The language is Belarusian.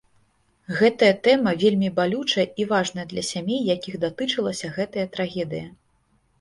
Гэтая тэма вельмі балючая і важная для сямей, якіх датычылася гэтая трагедыя.